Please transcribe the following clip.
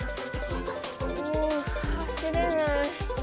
もう走れない。